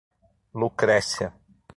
Lucrécia